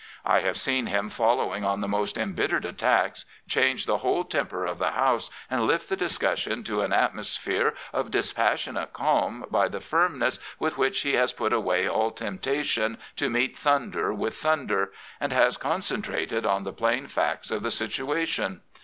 I have seen him, following on the most embittered attacks, change the whole temper of the House and lift the discussion to an atmosphere of dispassionate calm by the firm ness with which he has put away all temptation to meet thunder with thunder, and has concentrated on the plain facts of the situation.